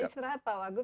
kita istirahat pak wagub